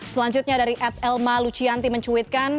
selanjutnya dari ed elma lucianti mencuitkan